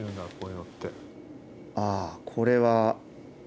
あこれは。